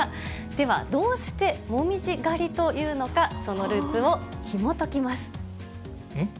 では、どうして紅葉狩りというのか、そのルーツをひもときます。